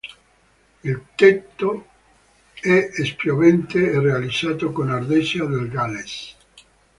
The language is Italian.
Il tetto è spiovente e realizzato con ardesia del Galles.